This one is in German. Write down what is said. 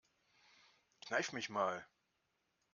Kneif mich mal.